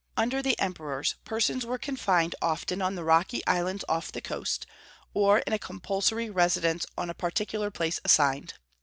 Under the emperors persons were confined often on the rocky islands off the coast, or in a compulsory residence in a particular place assigned.